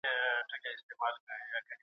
د دغي پېښي وروسته د خلکو هیلې بیا ژوندۍ سوې.